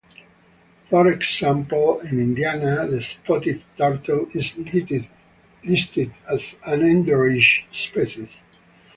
For example, in Indiana the spotted turtle is listed as an endangered species.